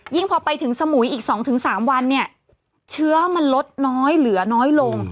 พอไปถึงสมุยอีก๒๓วันเนี่ยเชื้อมันลดน้อยเหลือน้อยลง